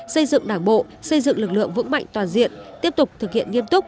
xây dựng đảng bộ xây dựng lực lượng vững mạnh toàn diện tiếp tục thực hiện nghiêm túc